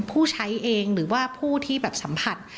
ผู้ใช้เองหรือว่าผู้ที่แบบสัมผัส